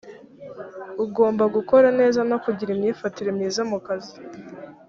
ugomba gukora neza no kugira imyifatire myiza mu kazi